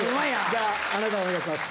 じゃああなたお願いします。